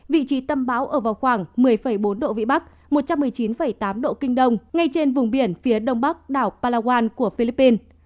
vị trí tâm bão ở vào khoảng một mươi bốn độ vĩ bắc một trăm một mươi chín tám độ kinh đông ngay trên vùng biển phía đông bắc đảo palawan của philippines